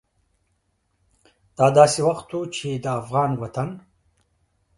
دا داسې وخت و چې د افغان وطن